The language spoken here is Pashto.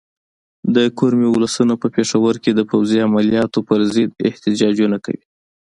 د کرمې ولسونه په پېښور کې د فوځي عملیاتو پر ضد احتجاجونه کوي.